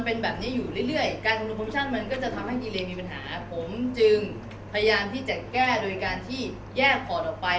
ใช่ครับเดี๋ยวเราจะประสานงานให้กับทนายช่วยจัดการตรงนี้ครับ